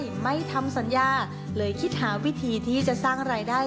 ไม่ทำสัญญาเลยคิดหาวิธีที่จะสร้างรายได้